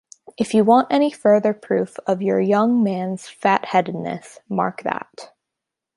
If you want any further proof of your young man's fat-headedness, mark that.